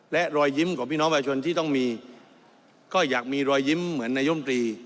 และรอยยิ้มของพี่น้องประชาชนที่ต้องมีก็อยากมีรอยยิ้มเหมือนนายมตรี